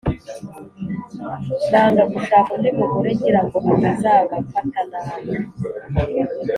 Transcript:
nanga gushaka undi mugore ngira ngo atazabafata nabi,